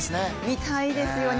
見たいですよね。